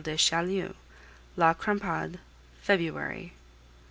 DE CHAULIEU LA CRAMPADE, February.